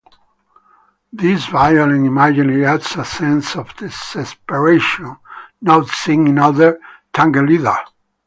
This violent imagery adds a sense of desperation not seen in other Tagelieder.